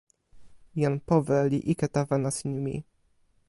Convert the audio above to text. jan powe li ike tawa nasin mi.